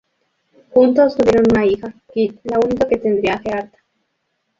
Juntos tuvieron una hija, Kitt, la única que tendría Eartha.